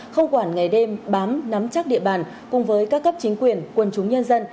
không quản ngày đêm bám nắm chắc địa bàn cùng với các cấp chính quyền quân chúng nhân dân